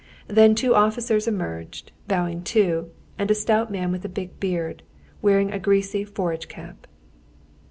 Then two officers emerged, bowing too, and a stout man with a big beard, wearing a greasy forage cap.